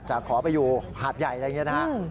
จะขอไปอยู่หาดใหญ่อะไรอย่างนี้